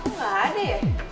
kok gak ada ya